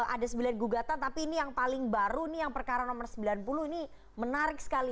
ada sembilan gugatan tapi ini yang paling baru nih yang perkara nomor sembilan puluh ini menarik sekali